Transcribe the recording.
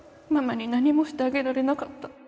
ママに何もしてあげられなかった